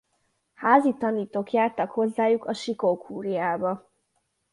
Házi tanítók jártak hozzájuk a Sikó-kúriába.